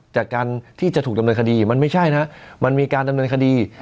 จากการที่จะถูกดำเนินคดีมันไม่ใช่นะมันมีการดำเนินคดี